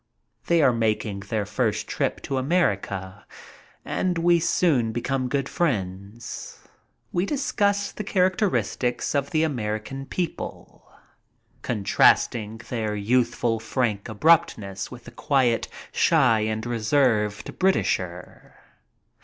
They are making their first trip to America, and we soon become good friends. We discuss the characteristics of the American people, contrasting their youthful, frank abruptness with the quiet, shy, and reserved Britisher.